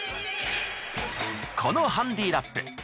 このハンディラップ